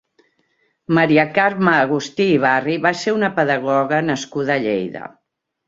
Maria Carme Agustí i Barri va ser una pedagoga nascuda a Lleida.